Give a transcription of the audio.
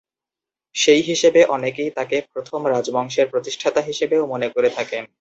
সেই হিসেবে অনেকেই তাকেই প্রথম রাজবংশের প্রতিষ্ঠাতা হিসেবেও মনে করে থাকেন।